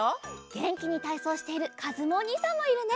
げんきにたいそうしているかずむおにいさんもいるね。